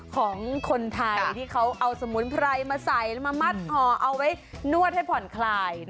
ของคนไทยที่เขาเอาสมุนไพรมาใส่มามัดห่อเอาไว้นวดให้ผ่อนคลาย